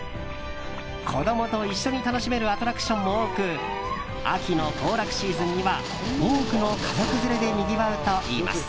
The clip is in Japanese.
子供と一緒に楽しめるアトラクションも多く秋の行楽シーズンには多くの家族連れでにぎわうといいます。